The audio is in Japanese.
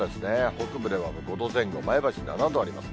北部では５度前後、前橋７度あります。